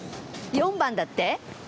４番だって？